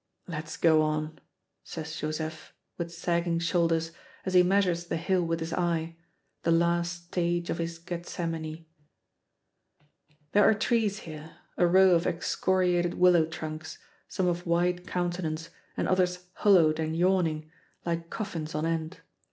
"Let's go on," says Joseph, with sagging shoulders, as he measures the hill with his eye the last stage of his Gethsemane. There are trees here; a row of excoriated willow trunks, some of wide countenance, and others hollowed and yawning, like coffins on end.